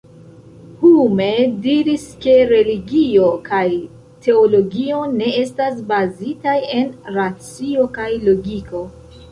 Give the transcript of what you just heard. Hume diris ke religio kaj teologio ne estas bazitaj en racio kaj logiko.